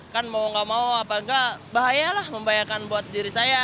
kan mau gak mau apa enggak bahaya lah membahayakan buat diri saya